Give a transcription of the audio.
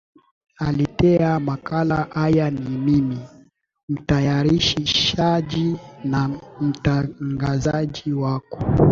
aletea makala haya ni mimi mtayarishaji na mtangazaji wako